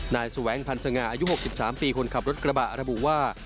แสวงพันธ์สง่าอายุ๖๓ปีคนขับรถกระบะระบุว่า